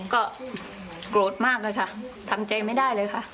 ก็โกรธมากอะค่ะทำใจไม่ได้เลยค่ะ